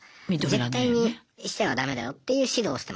絶対にしてはダメだよっていう指導をしてます。